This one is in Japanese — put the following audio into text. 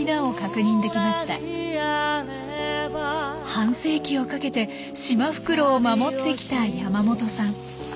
半世紀をかけてシマフクロウを守ってきた山本さん。